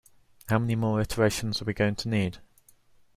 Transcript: How many more iterations are we going to need?